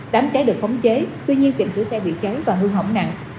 đám cháy được khống cháy tuy nhiên tiệm sửa xe bị cháy và hư hỏng nặng